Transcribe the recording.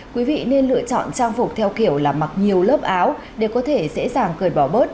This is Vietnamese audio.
quý vị nên lựa chọn trang phục theo kiểu là mặc nhiều lớp áo để có thể dễ dàng cười bỏ bớt